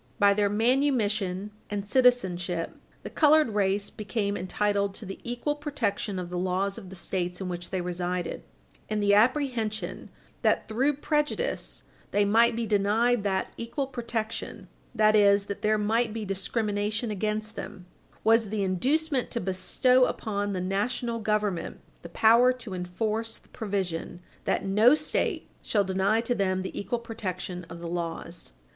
By their manumission and citizenship, the colored race became entitled to the equal protection of the laws of the States in which they resided, and the apprehension that, through prejudice, they might be denied that equal protection, that is, that there might be discrimination against them, was the inducement to bestow upon the national government the power to enforce the provision that no State shall deny to them the equal protection of the laws.